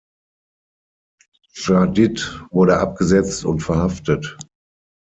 Dschadid wurde abgesetzt und verhaftet.